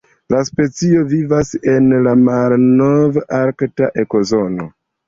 La specio vivas en la Malnov-Arkta ekozono.